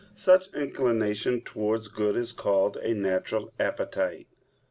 Such inclination towards good is called "a natural appetite."